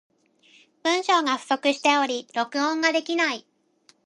文章が不足しており、録音ができない。